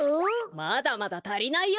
まだまだたりないよ。